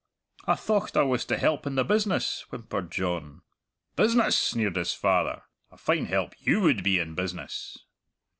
"I thocht I was to help in the business," whimpered John. "Business!" sneered his father; "a fine help you would be in business."